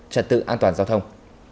trật tự an toàn giao thông